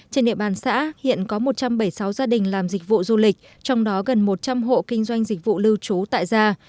trên địa bàn xã hiện có một trăm bảy mươi sáu gia đình làm dịch vụ du lịch trong đó gần một trăm linh hộ kinh doanh dịch vụ lưu trú tại gia